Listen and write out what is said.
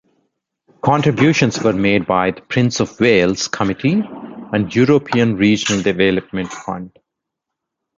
Contributions were made by The Prince of Wales' Committee and European Regional Development Fund.